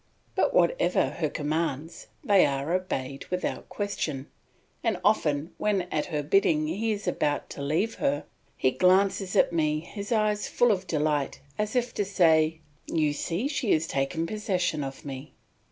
But whatever her commands, they are obeyed without question, and often when at her bidding he is about to leave her, he glances at me his eyes full of delight, as if to say, "You see she has taken possession of me."